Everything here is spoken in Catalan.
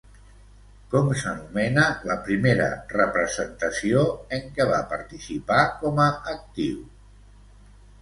Com s'anomena la primera representació en què va participar com a actiu?